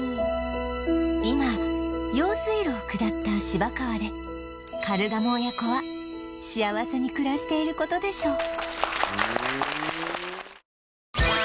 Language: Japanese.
今用水路を下った芝川でカルガモ親子は幸せに暮らしている事でしょう